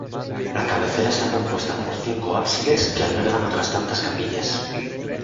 La cabecera está compuesta por cinco ábsides que albergan otras tantas capillas.